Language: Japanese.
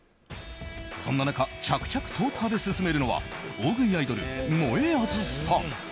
そんな中、着々と食べ進めるのは大食いアイドル、もえあずさん。